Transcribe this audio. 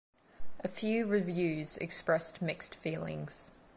A few reviews expressed mixed feelings.